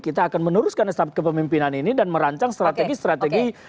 jadi kita harus meneruskan estafet kepemimpinan ini dan merancang strategi strategi